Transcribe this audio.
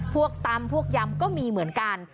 ตำพวกยำก็มีเหมือนกัน